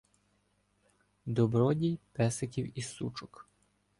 Добродій песиків і сучок